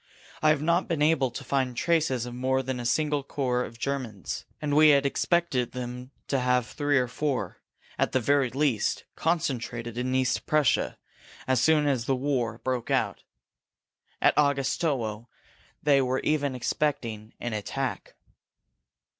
I have not been able to find traces of more than a single corps of Germans and we had expected them to have three or four, at the very least, concentrated in East Prussia as soon as the war broke out. At Augustowo they were even expecting an attack."